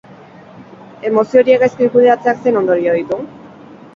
Emozio horiek gaizki kudeatzeak zein ondorio ditu?